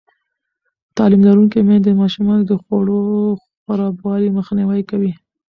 تعلیم لرونکې میندې د ماشومانو د خوړو خرابوالی مخنیوی کوي.